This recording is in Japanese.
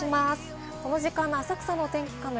この時間の浅草のお天気